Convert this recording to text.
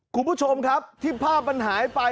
คุณผู้ชมครับที่ภาพมันหายไป